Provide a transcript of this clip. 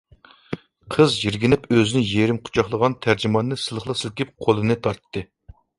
قىز يىرگىنىپ ئۆزىنى يېرىم قۇچاقلىغان تەرجىماننى سىلىقلا سىلكىپ قولىنى تارتتى.